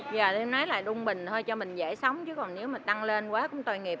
giờ đây nói là đung bình thôi cho mình dễ sống chứ còn nếu mà tăng lên quá cũng tòa nghiệp